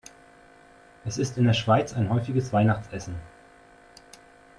Es ist in der Schweiz ein häufiges Weihnachtsessen.